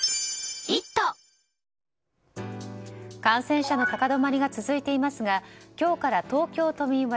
感染者の高止まりが続いていますが今日から東京都民割